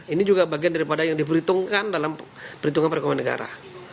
ini juga bagian daripada yang diperhitungkan dalam perhitungan perekonomian negara